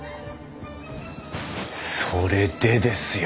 それでですよ。